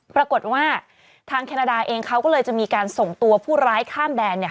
ปรากฏว่าทางแคนาดาเองเขาก็เลยจะมีการส่งตัวผู้ร้ายข้ามแดน